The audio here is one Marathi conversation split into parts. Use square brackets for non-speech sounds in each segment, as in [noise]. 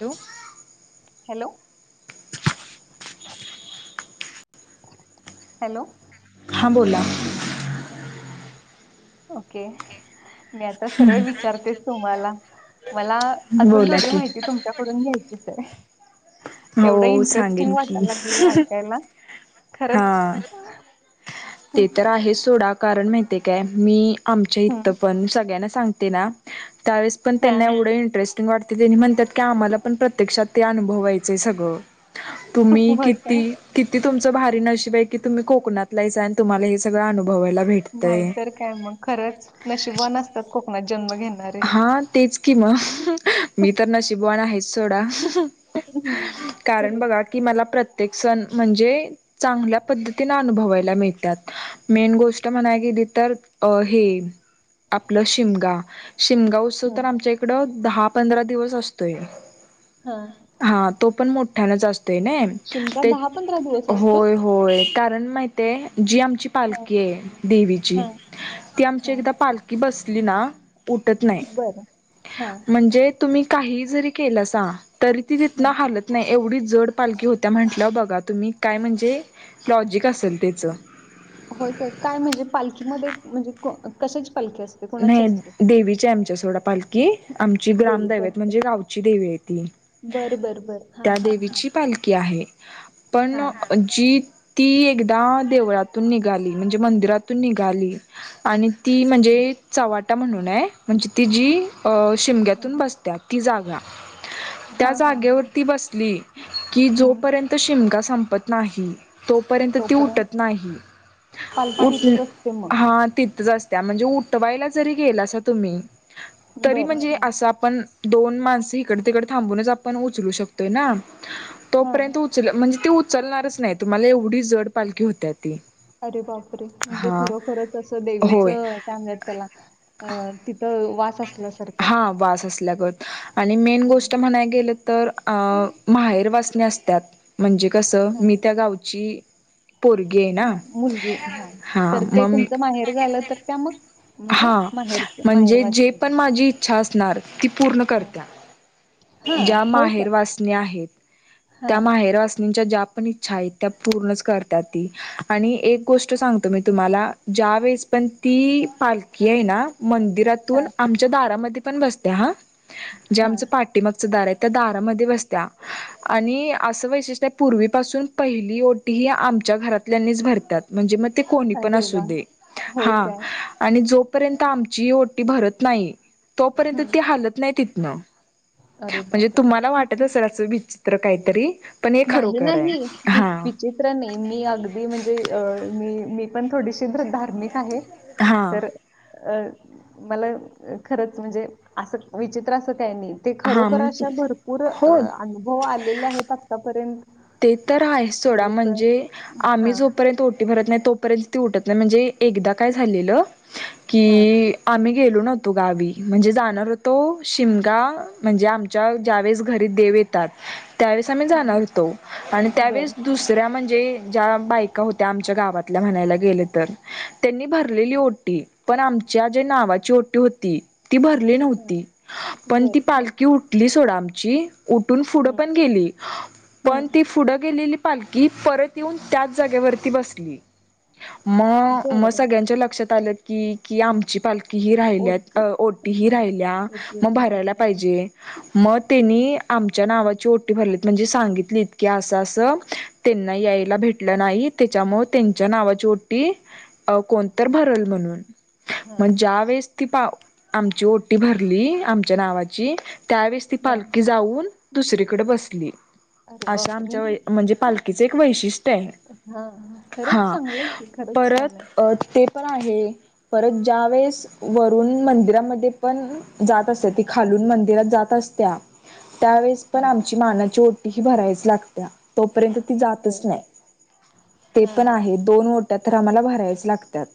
हॅलो हॅलो हॅलो हां बोला ओके मी आता सरळ विचारतेस तुम्हाला मला अजून बोला थोडी की माहिती तुमच्याकडून घ्यायचीच आहे एवढं हो इंटरेस्टिंग सांगेन की वाटायला लागले ऐकायला हा खरंच ते तर आहे सोडा कारण माहितीय काय मी आमच्या इथं हम्म. पण सगळ्यांना सांगते ना त्यावेळेस पण हा त्यांना एवढं इंटरेस्टिंग वाटते तेनी म्हणतात क आम्हाला पण प्रत्यक्षात ते अनुभव वयच तम् होय काय भारी न अ क तुम्ही कोकनाला तु्हाला नाहीतर काय मग खरंच नशिबन असतात कोकणात जन्म घेणारे हा तेच की म मी तर न शिबवाना हेच सोडा हम्म. कारण खरंच बघा की मला प्रत्य म्हणजे च पती अु म ग न तरर हे आपलं शिमगा शिमगा उत्सव हं, तर आमच्या इकडं दहा पंधरा दिवस असतोय हा हा तो पण मोठ्यान जातो शिमगा ते दहा पंधरा दिवस असतो होय होय कारण माहिित जी आमची हा पालखी आहे देवीची हा ती आमची हा एकदा पालखी बसली ना उटत नाही बरं हा म्हणजे तुम्ही काही जरी केलं स तरी ती तिथनं हा हलत नाही एवढीच जड पालखी होत्या म्हटल्यावर बघा तुम्ही काय म्हणजे लॉजिक असेल त्याच होय काय काय म्हणजे म्हणजे क नाही देवीच्या आमच्या सोडा पालखी. आमची देवीची ग्रामदैवत असते म्हणजे गावची देवी आहे ती बरं बरं बरं हां त्या हां हां देवीची पालखी आहे. हां पणजी. ती एकदा देवळातून निघाली म्हणजे मंदिरातून निघाली आणि ती म्हणजे चवाटा म्हणून आहे म्हणजे ती जी हां शिमग्यातून बसत. ती जागा त्या हां हां हां जागेवरती बसली की हं जोपर्यंत शिमग संपत नाही. तोपर्यंत ती उठत नाही पालखी उठ तिथंच असते मग हा तिथ जा. त्या म्हणजे उठवायला जरी गेल अस तुम्ही तरी बरं म्हणजे हां असं आपण दोन माणस इकड तिकड. थांबूनच आपण उचलू शकतोय ना. हां तोपर्यंत उचल म्हणजे ती उचलणारच नाही तुम्हाला एवढी जड पालखी होत. अरे बापरे म्हणजे खरोखरच असं देवीच होय चांगत त्याला अ तिथ. वाच अस. हा वास असल्या ग. आणि मेन हां गोष्ट म्हणाय गेलं तर अ माहेर वाचने असतात. म्हणजे कसं मी त्या गावची. पोरगी आहे ना हा मुलगी हा तर ते तुमचं माहेर झालं तर त्या मग. म्हणजे हा माहेरचं माहेर म्हणजे जे वाचले पण माझी इच्छा असणार ती पूर्ण हां करत. हां ज्या होय काय माहेर वासणी आहेत हां त्या माहेर वाच. [unintelligible] त्यावेेळेस पण ती पालखी आहे ना. मंदिरातून हां आमच्या दारामध्ये पण बसते हा जे हां आमच पा मगच दार आहे त्या दारामध्ये बसत्या. आणि असं वैशिषत पूर्वीपासून पहिली ओटीही आमच्या घरातल्यांनीच भरतात म्हणजे मग कोणी पण अरे असू वा दे होय हा काय आणि जो पर्यंत आमची ओटी भरत नाही तोपर्यंत हं ती हलत नाही तिथनं. अरे म्हणजे तुम्हाला बापरे वाटत असेल असं विचित्र काहीतरी पण हे नाही खरोखर नाही आहे हा विचित्र नाही मी अगदी म्हणजे अ मी मी. पण थोडीशी धार्मिक आहे हा तर अ मला खरंच म्हणजे असं विचित्र अस. नी ते हा खरोखर अशा भरपूर हो अनुभव आलेले आहेत आतापर्यंत ते तर आहे सोडा थोडस म्हणजे आम्ही हा जोपर्यंत ओटी भरत नाही. तोपर्यंत ती उठत नाही म्हणजे एकदा काय झालेलं हा की आम्ही गेल नत गावी म्हणजे जाणारतो शिम म्हणजे आमच्या ज्यावे घरी. त्यावेळेस आम् हा जाणार होतो आणि बर त्यावेळेस हा दुसऱ्या म्हणजे ज्या बायका होत्या आमच्या गावातल्या म्हणायला गेले तर त्यांनी भरलेली ओटी. पण आमच्या जे नावाची ओटी होती. ती भरली हा, नव्हती पण ती बर हा, पालखी उठली सोडा आमची. उठून पुढं हम्म पण गेली पण ती हम्म पुढं गेली. ली पालखी परत येऊन त्याच जागेवरती बसली. मग मग बर सगळ्यांच्या लक्षात आलं की की आम ओके हा ओके करायचं राहिलं. [unintelligible] आमच्या नावाची ओटी भरलीत म्हणजे सांगित. इतक्या असं असं त्यांना यायला भेटलं नाही त्याच्यामु त्यांच्या नावाची ओटी अ कोणत भरल म्हणून हा मग ज्या वेळेस ती पा आमची ओटी भरली. आमच्या नावाची त्यावेेळेस ती हा पालखी जाऊन दुसरीकडे बसली. अरे अशा बापरे आमच्या हा म्हणजे पालखीचं एक वैशिष्ट्य आहे. हा खरंच हा चांगलं आहे की. खरंच छान परत आहे. अ ते पण आहे. परत ज्या वेळेस वरून मंदिरामध्ये पण जात असत ती खालून. मंदिरात जात असत्या. त्यावेळेस पण हा आमची मानाची ओटी ही भरायच लागत्या. तोपर्यंत ती जातच बर नाही. ते हां पण आहे दोन ओट्या तर आम्हाला भरायच लागतात.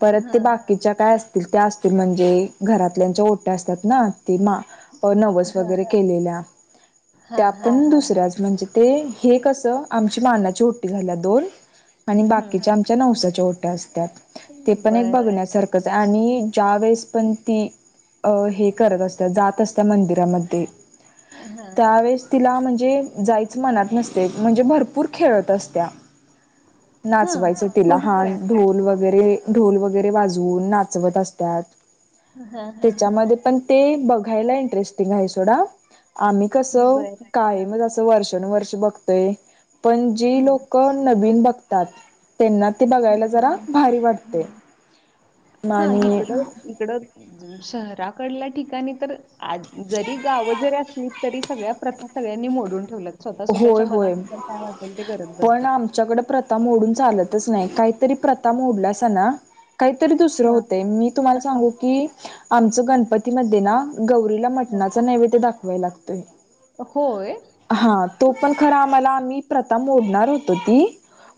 परत ते हां बाकीच्या काय अस तील त्या असतील. म्हणजे घरातल्याच्या ओट्या असतात ना. नवस हां वगैरे केलेल्या. हां त्या हां पण हां दुसऱ्या म्हणजे ते हे कस आमची मानाची ओटी झाल्या दोन. आणि हं, बाकीच्या आमच्या नवसाच्या ओट्या. ट्या असत्यात. पण बर बघण्यासारख आणि ज्या वेळेस पण ती. अ हे करत असत्या जात असत्या मंदिरामध्ये. हा. हा म्हणजे जायच मनात नसते. म्हणजे भरपूर खेळत असते. हां नाचवायच तिला हो हा काय ढोल वग वगैरे ढोल वगैरे वाजून नाचवत असत्यात. हां हां हां त्याच्यामध्ये पण ते बघायला इंटरेस्टिंग आहे सोडा. आम्ही कस. बर हां कायमच असं वर्षानुवर्ष बघतोय. पण जी हं लोक नवीन बघतात. त्यांना ते बघायला जरा भारी वाटतय. हा इकडं-इकडं. शहराकडल्या ठिकाणी तर. जरी गाव जरी असली तरी सगळ्या प्रथा सगळ्यांनी मोड मोढून ठेवल्यात स्वतः स्वतःच्या होय होय मनानंतर काय वाटल ते करत पण बसतात. आमच्याकडे प्रथा मोडून चालतच नाही. काहीतरी प्रथा मोडल्या अस ना. काहीतरी दुसरं हां होतंय. मी तुम्हाला हां सांगू की. आमचं गणपतीमध्ये ना. गौरीला हां मटणाचा नैवेद्य दाखवाय लागतोय. होय. हा तो पण खरं आम्हाला आम्ही प्रथा मोडणार होतो ती.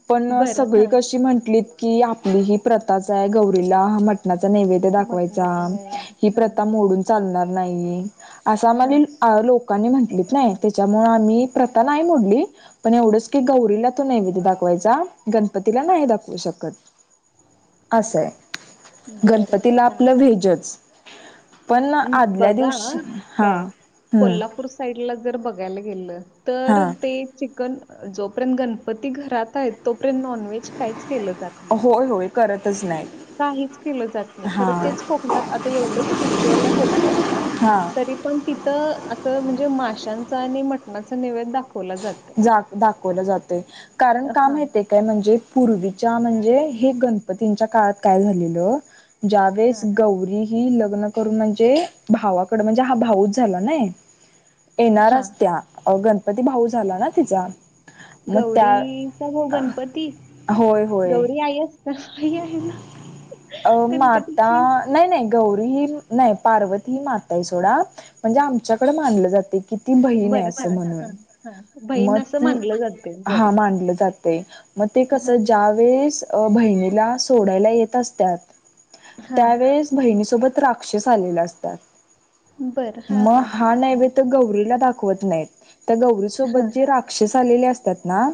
पण बरं सगळी हां कशी म्हंटलीत. कि आपली ही प्रथाच हाय आहे गौरीला मट मटणाचा नैवेद्य दाखवायचा. मटणाचं ही नैवेद्य हां प्रथा मोडून चालणार नाही. असं हां आम्हाला लोकांनी म्हंटलीत नाही. त्याच्यामुळे आम्ही. प्रथा नाही मोडली. पण एवढंच की गौरीला तो नैवेद्य दाखवायचा. गणपतीला नाही दाखवू शकत. असंय बरं गणपतीला हां आपलं व्हेज च. पण अं, आदल्या बघा दिवशी हा काय हम्. कोल्हापूर साईडला जर बघायला गेलं तर ते चिकन जोपर्यंत गणपती घरात आहेत तो पर्यंत नॉनव्हेज काहीच केलं जात नाही. होय होय करतच नाही काहीच केलं जात नाही. खरं हा तेच कोकणात आता एवढं स्पिरिच्युअल आहे कोकनात. हा तरी पण तिथं. असं म्हणजे माशांचं आणि मटणाचं नैवेद दाखव दाखवलं जातोय कारण का हा माहित काय म्हणजे? पूर्वीच्या म्हणजे हे गणपतीच्या काळात काय झालेलं ज्या वेळेस हा गौरी लग्न करून म्हणजे. भावाकडे म्हणजे हा भाऊच झाला नई. हा येणारच त्या गणपती भाऊ झाला ना तिचा. मग गौरीचा भाऊ त्या गणपती होय-होय. गौरी आई असतात आई आहे ना अ माता गणपतीची नाही-नाही. गौरी ही नाही. पार्वत ही माता आहे सोडा. म्हणजे आमच्याकडे मानलं जाते की. ती बहीण आहे. बरं अस हा म्हणून. हा हा बहीण मग असं ती मानलं जाते बरं हा मानलं जातय म ते हा कसं ज्यावेळेस. बहिणीला सोडायला येत असत्यात हां, त्यावेळेस बहिणीसोबत रा राक्षस आलेलं असत्यात. बरं. हां, मग हां, हां, हा हां. नैवेद्य तर गौरीला दा दावत नाहीत. त्या गौरी सोबत हां, जे राक्षस आले असतात ना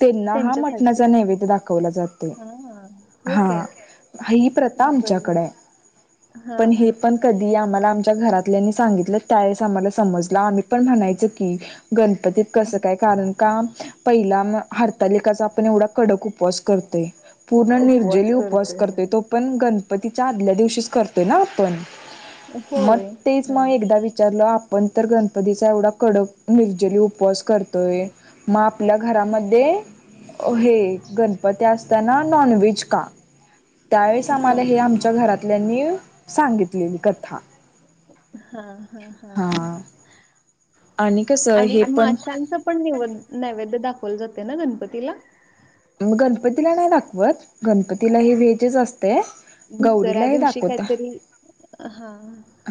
त्यांना हा त्यांच्यासाठी. म्हटणाचा नैवेद्य दाखवला जातोय. हां, होय काय? हा ही प्रथा बरं. आमच्याकडे आहे पण हे हां, पण कधी, आम्हाला आमच्या घरातल्या सांगितलं त्यावेळेस आम्हाला समजलं आम्ही पण म्हणायच की, गणपतीत कसं हं. काय कारण का पहिला हरतालिकेचा आपण एवढा कडक उपवास पूर्ण निर्जली उपवास करतोय. करते हां. तो पण गणपती पण तिच्या आदल्या दिवशीच करतोय ना आपण मग होय. तेच हां, मग एकदा विचारलं आपण तर गणपतीचा एवढा कडक. निर्जली उपवास करतोय. मग आपल्या हां, घरामध्ये हे गणपती असताना, नॉनव्हेज का त्यावेळेस हे हां, आम्हाला आमच्या घरातल्यांनी सांगितलेली कथा हा-हा-हा हा. आणि कसं आणि हे पण माशांच पण नद नैवेद्य दाखवलं जाते ना गणपतीला गणपतीला नाही दाखवत गणपतीला हे व्हेजच असते ते दुसऱ्या गौरीलाही दिवशी दाखवता. काहीतरी हां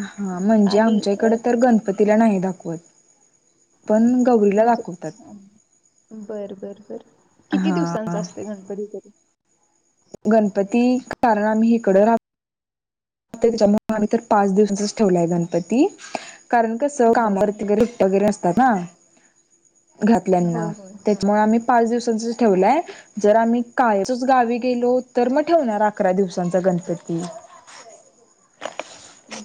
हा म्हणजे आणि आमच्या इकडे अ, तर गणपतीला हां, नाही दाखवत पण गौरीला म्हणजे दाखवतात बरं-बरं बरं! किती हा दिवसांच असते गणपतीकडे, गणपती कारण आम्ही इकडे राहतो. त्यांच्यामुळे आम्ही तर पाच दिवसच ठेवलाय गणपती, कारण कसं कामा बरं. वरती हां. वगैरे असतात ना, घरातल्यांना होय, होय. हां. त्याच्यामुळे आम्ही पाच दिवसांच ठेवलंय जर आम्ही, कायमचे च गावी गेलो तर मग ठेवणार अकरा दिवसांचा गणपती,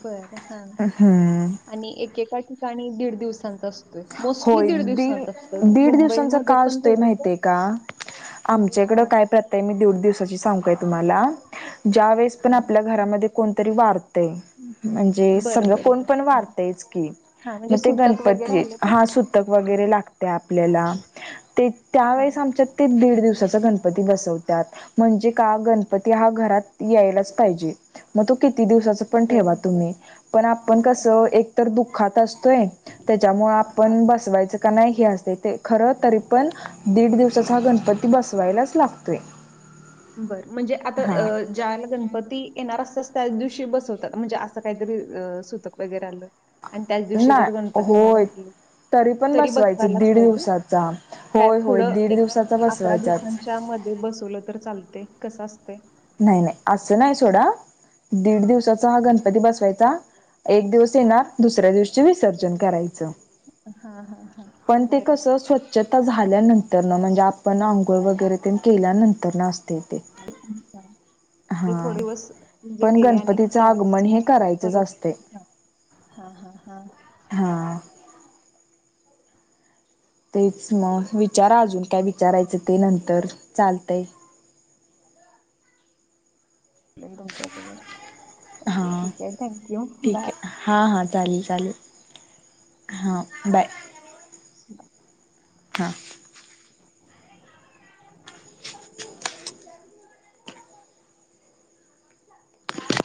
बर हा हम्म आणि एकेका ठिकाणी दीड दिवस. असत मोस्टली होय दीड दिवस असत दीड मुंबई दिवसांचा मध्ये पण थोडस आमच्याकडं काय प्रथा आहे मी दीड दिवस सांगू काय तुम्हाला ज्या वेळेस पण हां. आपल्या घरामध्ये कोणतरी वारतय म्हणजे बरं, सगळं बरं, कोण बरं. पण हां, वारतयच की हां. म्हणजे मग ते सुतक वगैरे गणपतीच आलं तर हा सुतक वगैरे हां, लागते आपल्याला त्या वळेस हां. आमच्या दीड दिवस दिवसाचा गणपती बसावता म्हणजे का गणपती हा घरात यायलाच पाहिजे मग तो किती दिवसाच पण ठेवा बरं. तुम्ही पण आपण कस हां, एकतर दुःखात असतो य त्याच्यामुळे हां. आपण बसवायचं का नाही हे असते. ते खर तरी पण दीड दिवसाचा हा गणपती बसवायलाच लागतोय बर म्हणजे आता हा ज्यावेळेला गणपती येणार असतो. त्या दिवशी बसवतात म्हणजे असं काहीतरी सुतक वगैरे आलं. आणि त्याच दिवशी जर नाही गणपती येणार होय असली. पण तरी बसवायचं बसवायलाच दीड पाहिजे दिवसाचा का होय होय पुढं दीड एक दिवसाचा अकरा बसवायचाच दिवसांच्या मध्ये बसवलं तर चालते कसं असते नाही नाही असं नाही सोडा दीड दिवसाचा हा गणपती बसवायचा. एक दिवस येणार दुसऱ्या दिवशी विसर्जन करायचं हा! हा! हा बरं, आता झाल्यानंतर म्हणजे आपण आंघोळ वगैरे ते केल्यानंतर न असते ते हां, हा पण गणपतीचं त्यालाच आगमन हे करायचच असते. हा-हा हा! हा तेच मग विचार अजून काय विचारायचं ते नंतर चालतय. [inaudible] तुमच्या सबर ओके हां ठीक आहे थँक्यू बाय, ठीक आहे हां हां चालेल-चालेल हां बाय, [inaudible] हा,